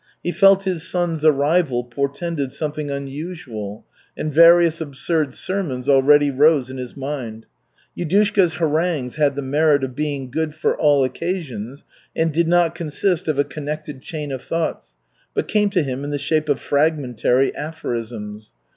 He felt his son's arrival portended something unusual, and various absurd sermons already rose in his mind. Yudushka's harangues had the merit of being good for all occasions and did not consist of a connected chain of thoughts, but came to him in the shape of fragmentary aphorisms.